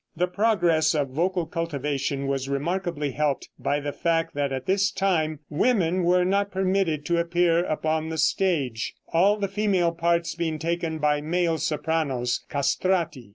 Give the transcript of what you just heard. The progress of vocal cultivation was remarkably helped by the fact that at this time women were not permitted to appear upon the stage, all the female parts being taken by male sopranos, castrati.